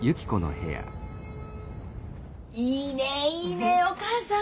いいねえいいねえお母さん